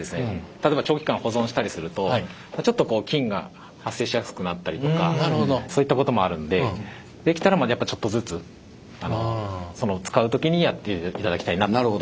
例えば長期間保存したりするとちょっと菌が発生しやすくなったりとかそういったこともあるんでできたらちょっとずつ使う時にやっていただきたいなと。